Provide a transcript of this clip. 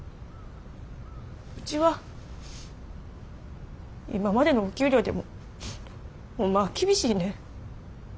ウチは今までのお給料でもホンマは厳しいねん。